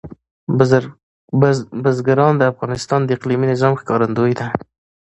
بزګان د افغانستان د اقلیمي نظام ښکارندوی ده.